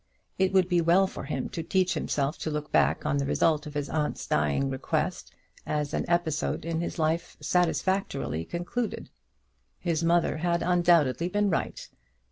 It would be well for him to teach himself to look back on the result of his aunt's dying request as an episode in his life satisfactorily concluded. His mother had undoubtedly been right.